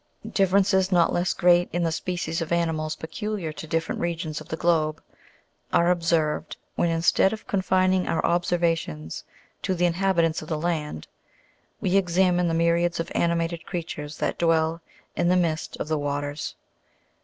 Differences not less great in the species of animals peculiar to different regions of the globe, are observed, when, instead of con fining our observations to the inhabitants of the land, we examine the myriads of animated creatures that dwell in the midst of the waters.